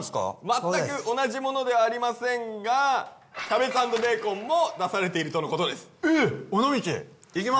全く同じものではありませんがキャベツ＆ベーコンも出されているとのことですえっ！